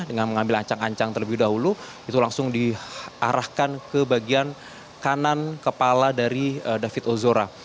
dengan mengambil ancang ancang terlebih dahulu itu langsung diarahkan ke bagian kanan kepala dari david ozora